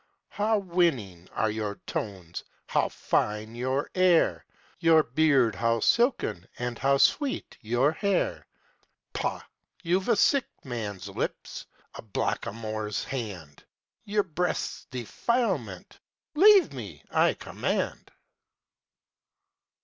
How winning are your tones, how fine your air! Your beard how silken and how sweet your hair! Pah! you've a sick man's lips, a blackamoor's hand: Your breath's defilement. Leave me, I command."